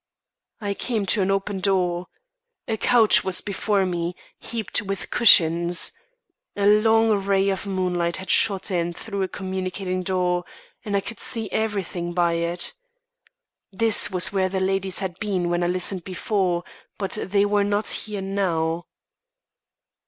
I came to an open door. A couch was before me, heaped with cushions. A long ray of moonlight had shot in through a communicating door, and I could see everything by it. This was where the ladies had been when I listened before, but they were not here now.